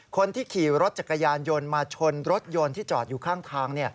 คนที่ขี่รถจักรยานยนต์มาชนรถยนต์ที่จอดอยู่ข้างทาง